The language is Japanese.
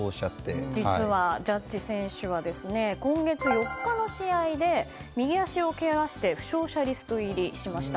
実は、ジャッジ選手は今月４日の試合で右足をけがして負傷者リスト入りしました。